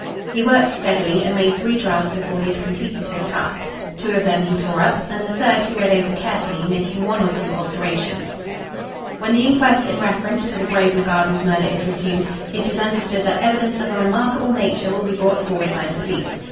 He worked steadily and made three drafts before he had completed his task. Two of them he tore up, and the third he read over carefully, making one or two alterations. "When the inquest in reference to the Grosvenor Gardens murder is resumed it is understood that evidence of a remarkable nature will be brought forward by the police.